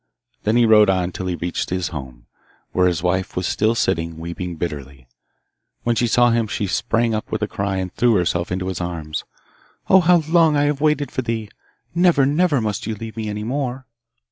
Then he rode on till he reached his home, where his wife was still sitting, weeping bitterly. When she saw him she sprang up with a cry, and threw herself into his arms. 'Oh, how long have I waited for thee! Never, never must you leave me any more!